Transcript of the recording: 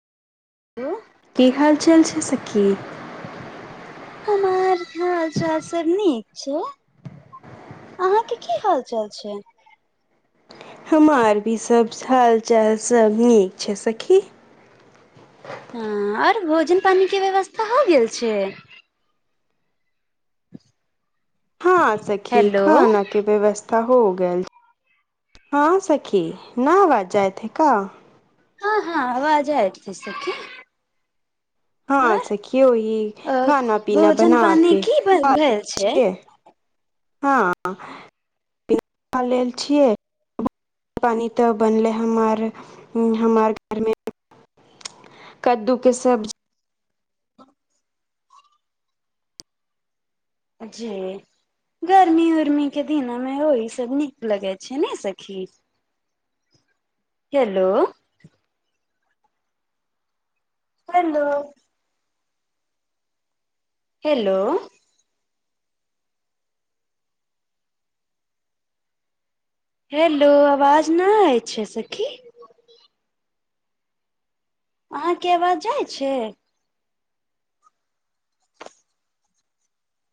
हो [unintelligible] की हाल चाल छै सखी हमार खर्चा से नीक छै अहाँके की हाल चाल छै हमार भी सब च हाल चाल सब नीक छै सखी हँ आओर भोजन पानीके व्यवस्था हो गेल छै हँ सखी हेलो खाना के व्यवस्था हो गेल हँ सखी न आवाज जायत है का हँ हँ आवाज आई [unintelligible] सखी हँ सखियौ ई आओर खाना पीना भोजन बना पानी के की भेल छै [unintelligible] हँ खा लेल छियै पानी तऽ बनले हमार हमार घरमे कद्दूके सब्जी ह [unintelligible] जे गर्मी उर्मी के दिना मे ओ ई सब नीक लगै छै नै सखी हेलो हेलो हेलो हेलो आवाज नय होइ छै सखी अहाँके आवाज जाइ छै